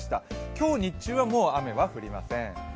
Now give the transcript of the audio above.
今日日中はもう雨は降りません。